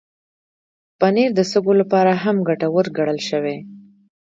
پنېر د سږو لپاره هم ګټور ګڼل شوی.